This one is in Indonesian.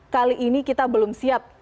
kali ini kita belum siap